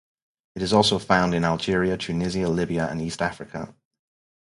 It is also found in Algeria, Tunisia, Libya and East Africa.